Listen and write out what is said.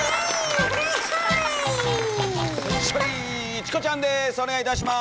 チコちゃんです！